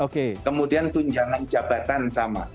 kemudian tunjangan jabatan sama